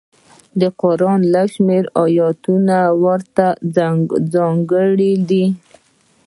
د قران لږ شمېر ایتونه ورته ځانګړي دي.